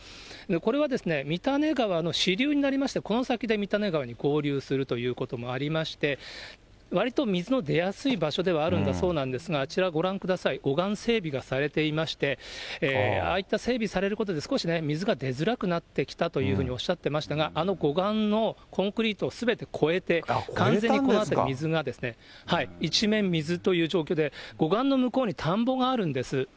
これは、三種川の支流になりまして、この先で三種川に合流するということもありまして、わりと水の出やすい場所ではあるんだそうなんですが、あちら、ご覧ください、護岸整備がされていまして、整備されたということで、少しね、水が出づらくなってきたというふうにおっしゃっていましたが、あの護岸のコンクリート、すべて越えて水が、一面水という状況で、護岸の向こうに田んぼがあるんです。